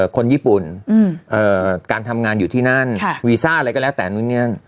คนญี่ปุ่นการทำงานอยู่ที่นั่นวีซ่าอะไรก็แล้วแต่นู่นนี่